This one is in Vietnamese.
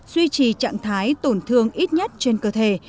duy trì trạng thái tổn thương ít nhất trên cơ thể